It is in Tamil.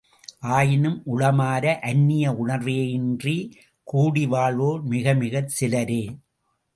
ஆயினும் உளமார அந்நிய உணர்வேயின்றிக் கூடி வாழ்வோர் மிகமிகச் சிலரே!